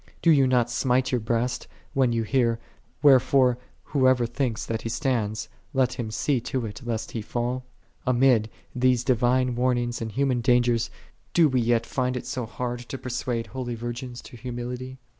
9 Dost thou not smite thy breast, when thou hearest, " Wherefore, whoso think eth that he standeth, let him see to it lest he fall ?" I0 Amid these divine warnings and human dangers, do we yet find it so hard to persuade holy virgins to humility